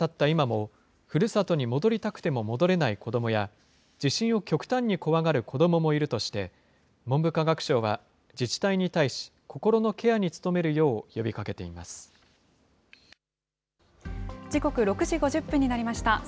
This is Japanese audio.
今も、ふるさとに戻りたくても戻れない子どもや、地震を極端に怖がる子どももいるとして、文部科学省は自治体に対し、心のケアに努めるよう呼びかけていま時刻、６時５０分になりました。